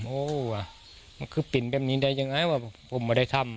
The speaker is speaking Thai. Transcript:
โอ้ว่ะมันคือปินแบบนี้ได้ยังไงว่าผมไม่ได้ทำ